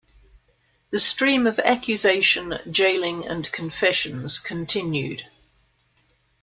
The stream of accusation, jailing and confessions continued.